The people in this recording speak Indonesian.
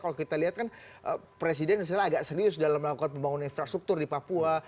kalau kita lihat kan presiden agak serius dalam melakukan pembangunan infrastruktur di papua